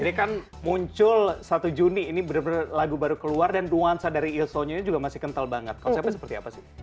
jadi kan muncul satu juni ini bener bener lagu baru keluar dan ruansa dari il sogno ini juga masih kental banget konsepnya seperti apa sih